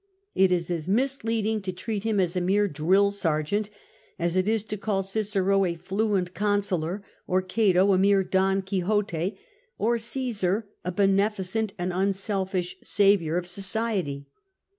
It is as misleading to treat him as a mere drill sergeant, as to call C'icero a ''fluent Consular,'' or Cato a "mere Don Quixote," or Csesar a beneficent and unselfish saviour of society.